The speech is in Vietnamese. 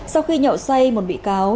sau khi nhậu xoay một bị cáo